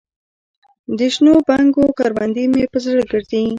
دشنو بنګو کروندې مې په زړه ګرځي